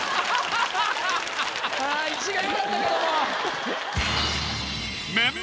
１位がよかったけども。